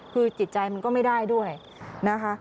คือจิตใจมันก็ไม่ได้ด้วยนะคะ